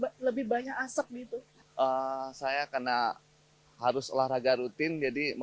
kali ada polusi tadi kita sekarang dibindi timit atau setelah siang atau sore harus banyak asap